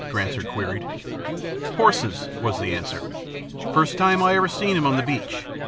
Granser queried. "Horses," was the answer. "First time I ever seen 'em on the beach.